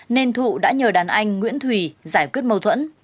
nên thụ đã nhờ đàn anh nguyễn thùy giải quyết mâu thuẫn